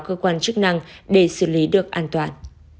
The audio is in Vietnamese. cơ quan chức năng để xử lý được an toàn